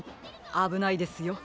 あぶないですよ。